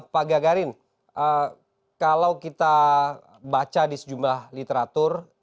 pak gagarin kalau kita baca di sejumlah literatur